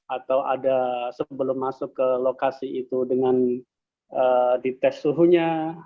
atau ada sebelum masuk ke lokasi itu dengan dites suhunya